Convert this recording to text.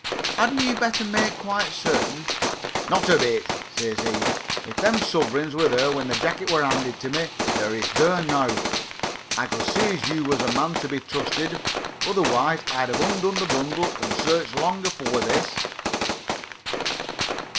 "Hadn't you better make quite certain " "Not a bit," says he. "If them suvreigns were there when the jacket were 'anded to me, they is there now. I could see as you was a man to be trusted, otherwise I'd 'ave undone the bundle and searched long afore this."